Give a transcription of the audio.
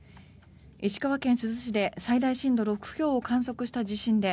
石川県珠洲市で最大震度６強を観測した地震で